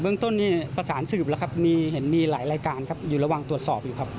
เรื่องต้นนี้ประสานสืบแล้วครับมีเห็นมีหลายรายการครับอยู่ระหว่างตรวจสอบอยู่ครับ